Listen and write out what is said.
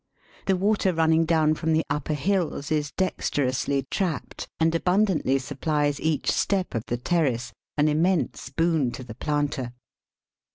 The water running down from the upper hills is dexterously trapped, and abundantly sup plies each step of the terrace, an immense boon to the planter.